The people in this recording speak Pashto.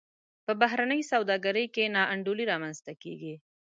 په بهرنۍ سوداګرۍ کې نا انډولي رامنځته کیږي.